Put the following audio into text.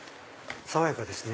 爽やかですね。